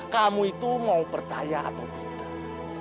kamu itu mau percaya atau tidak